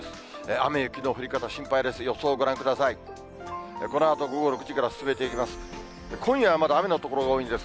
雨、雪の降り方、心配です。